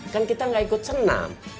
kan kita gak ikut senam